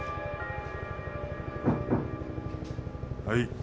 はい。